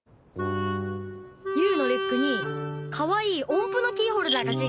ユウのリュックにかわいいおんぷのキーホルダーがついてたんだよ！